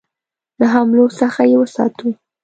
له حملو څخه یې وساتو.